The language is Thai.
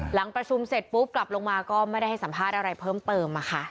หลังประชุมเสร็จปุ๊บกลับลงมาก็ไม่ได้ให้สัมภาษณ์อะไรเพิ่มเติม